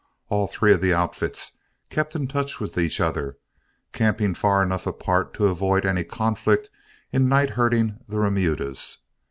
All three of the outfits kept in touch with each other, camping far enough apart to avoid any conflict in night herding the remudas.